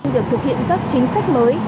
việc thực hiện các chính sách mới